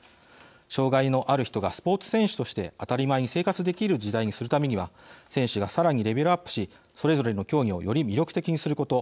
障害のある人がスポーツ選手として当たり前に生活できる時代にするためには選手が、さらにレベルアップしそれぞれの競技をより魅力的にすること。